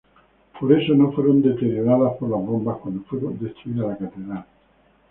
Por eso no fueron deterioradas por las bombas cuando fue destruida la catedral.